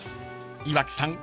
［岩城さん